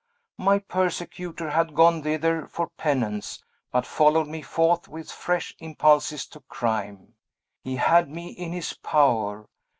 My persecutor had gone thither for penance, but followed me forth with fresh impulses to crime. He had me in his power.